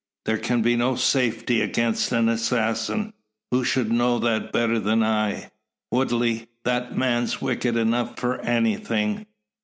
"There can be no safety against an assassin. Who should know that better than I? Woodley, that man's wicked enough for anything."